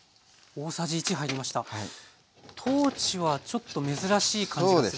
トーチはちょっと珍しい感じがするんですけど。